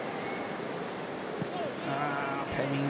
タイミング